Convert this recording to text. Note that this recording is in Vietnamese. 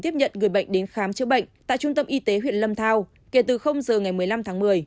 tiếp nhận người bệnh đến khám chữa bệnh tại trung tâm y tế huyện lâm thao kể từ giờ ngày một mươi năm tháng một mươi